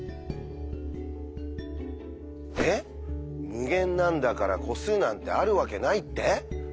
「無限なんだから個数なんてあるわけない」って？